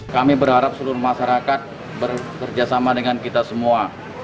kami berharap seluruh masyarakat bekerjasama dengan kita semua